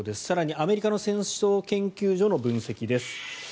更にアメリカの戦争研究所の分析です。